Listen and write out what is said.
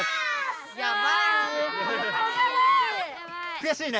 くやしいね。